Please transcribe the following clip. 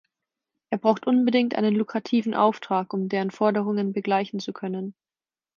Er braucht unbedingt einen lukrativen Auftrag, um deren Forderungen begleichen zu können.